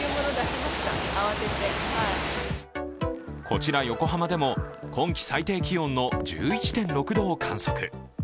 こちら横浜でも今季最低気温の１１．６度を観測。